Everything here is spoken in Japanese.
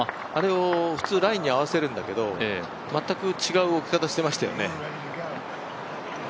あれを普通、ラインに合わせるんだけど、全く違う置き方してましたよね。